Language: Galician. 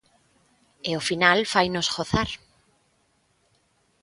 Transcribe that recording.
E o final fainos gozar.